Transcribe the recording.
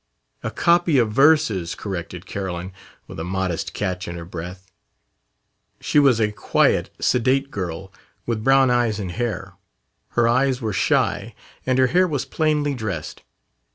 "A copy of verses," corrected Carolyn, with a modest catch in her breath. She was a quiet, sedate girl, with brown eyes and hair. Her eyes were shy, and her hair was plainly dressed.